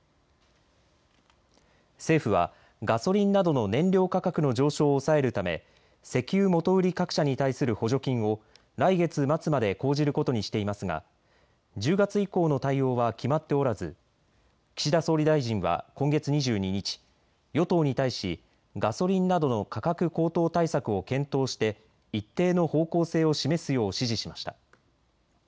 政府はガソリンなどの燃料価格の上昇を抑えるため石油元売り各社に対する補助金を来月末まで講じることにしていますが１０月以降の対応は決まっておらず、岸田総理大臣は今月２２日、与党に対しガソリンなどの価格高騰対策を検討して一定の方向性を示すよう指示しました。